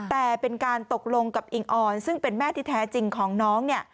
แต่เป็นการตกลงกับอิงออนซึ่งเป็นแม่ที่แท้จริงของน้องเนี่ย